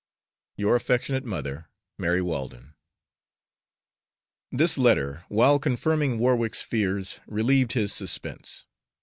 Your affectionate mother, MARY WALDEN. This letter, while confirming Warwick's fears, relieved his suspense.